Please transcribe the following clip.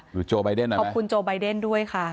หรือโจไบเดนหน่อยไหมขอบคุณโจไบเดนด้วยค่ะ